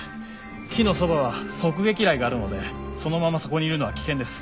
木のそばは側撃雷があるのでそのままそこにいるのは危険です。